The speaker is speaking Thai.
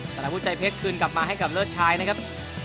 สลับผู้ใจเพชรคืนกลับมาให้กับเลอร์ชชายนะครับ